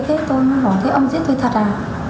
thế tôi mới bảo thế ông giết tôi thật à